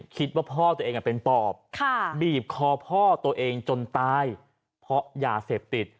คิดว่าพ่อตัวเองเป็นปอบบีบคอพ่อตัวเองจนตายเพราะยาเสพติด